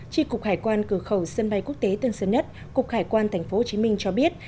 tri cục hải quan cửa khẩu sân bay quốc tế tân sơn nhất cục hải quan tp hcm cho biết